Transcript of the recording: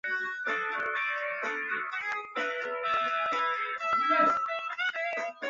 许多评论家认为公司是唯一一家做好章节游戏的公司。